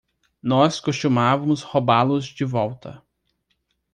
Nós costumávamos roubá-los de volta.